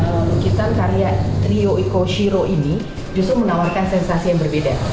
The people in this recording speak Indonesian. lukisan karya trio eco shiro ini justru menawarkan sensasi yang berbeda